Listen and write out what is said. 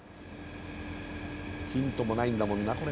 ヒントもないんだもんなこれな。